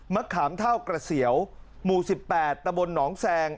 ขามเท่ากระเสียวหมู่๑๘ตะบลหนองแซง